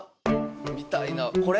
見たいなこれ？